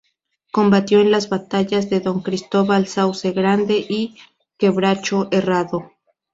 Combatió en las batallas de Don Cristóbal, Sauce Grande y Quebracho Herrado.